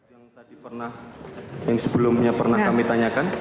yang sebelumnya pernah kami tanyakan